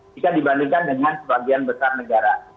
jika dibandingkan dengan sebagian besar negara